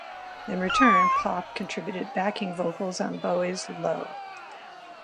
In return, Pop contributed backing vocals on Bowie's "Low".